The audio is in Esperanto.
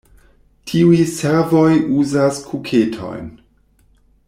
Tiuj servoj uzas kuketojn.